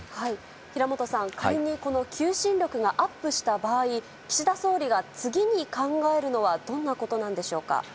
平本さん、仮にこの求心力がアップした場合、岸田総理が次に考えるのはどんなことなんでしょうか。